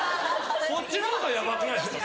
そっちの方がヤバくないですか？